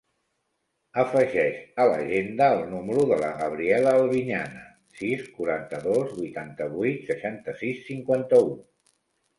Afegeix a l'agenda el número de la Gabriela Albiñana: sis, quaranta-dos, vuitanta-vuit, seixanta-sis, cinquanta-u.